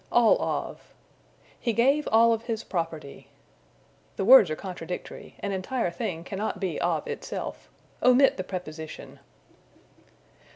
All of. "He gave all of his property." The words are contradictory: an entire thing cannot be of itself. Omit the preposition.